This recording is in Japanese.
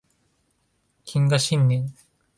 謹賀新年